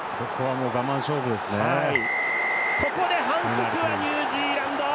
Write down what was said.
ここで反則のニュージーランド！